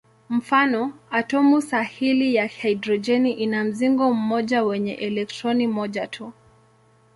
Mfano: atomu sahili ya hidrojeni ina mzingo mmoja wenye elektroni moja tu.